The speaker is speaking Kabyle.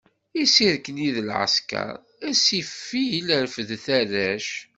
Isirkli-d lɛesker, a ssifil refdet arrac.